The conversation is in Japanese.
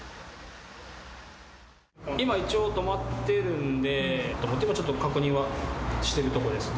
今、一応止まってるんで、ちょっと確認はしてるところです。